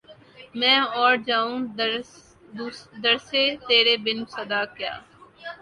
میں اور جاؤں در سے ترے بن صدا کیے